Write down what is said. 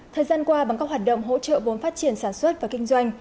thời gian qua bằng các hoạt động hỗ trợ vốn phát triển sản xuất và kinh doanh